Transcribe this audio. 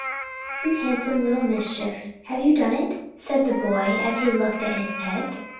"You handsome little mischief, have you done it?" said the boy, as he looked at his pet.